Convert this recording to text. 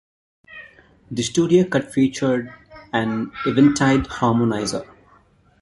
The studio cut featured an Eventide Harmonizer.